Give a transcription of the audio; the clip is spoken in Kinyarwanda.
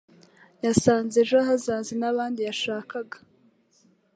Yasanze ejo hazaza nabandi yashakaga